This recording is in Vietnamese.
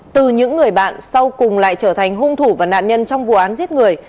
từ những người bạn sau cùng lại trở thành hung thủ và nạn nhân trong vụ án giết người